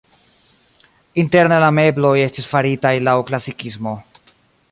Interne la mebloj estis faritaj laŭ klasikismo.